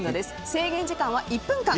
制限時間は１分間。